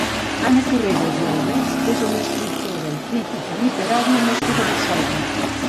Anna Carreras i Aubets és una escriptora i crítica literària nascuda a Barcelona.